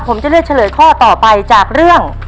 ผมจะเลือกเฉลยข้อต่อไปจากเรื่อง